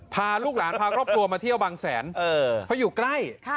พาลูกหลานพาครอบครัวมาเที่ยวบางแสนเพราะอยู่ใกล้